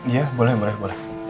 iya boleh boleh